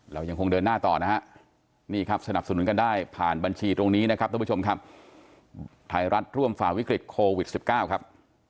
เรายังคงเดินหน้าต่อนะฮะนี่ครับสนับสนุนกันได้ผ่านบัญชีตรงนี้นะครับท่านผู้ชมครับไทยรัฐร่วมฝ่าวิกฤตโควิด๑๙ครับ